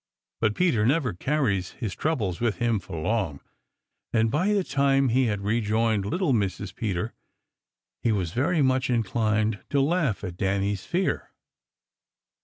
But Peter never carries his troubles with him for long, and by the time he had rejoined little Mrs. Peter he was very much inclined to laugh at Danny's fear.